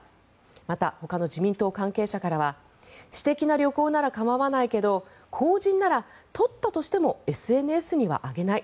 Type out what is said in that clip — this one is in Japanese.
また、ほかの自民党関係者からは私的な旅行なら構わないけど公人なら撮ったとしてもＳＮＳには上げない。